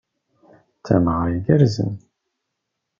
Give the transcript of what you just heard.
D tameɣra igerrzen.